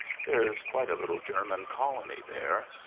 There is quite a little German colony there.